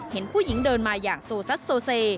เห็นผู้หญิงเดินมาอย่างโซซัสโซเซ